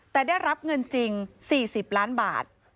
แต่ได้รับเงินจริง๔๐ล้านบาท